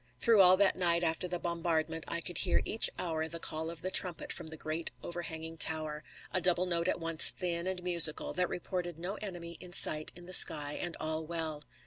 Through all that night after the bombardment I could hear each hour the call of the trumpet from the great overhanging tower, a double note at once thin and musical, that reported no enemy in sight in the sky and all well.